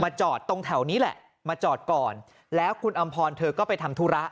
จอดตรงแถวนี้แหละมาจอดก่อนแล้วคุณอำพรเธอก็ไปทำธุระ